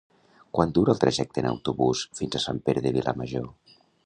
Quant dura el trajecte en autobús fins a Sant Pere de Vilamajor?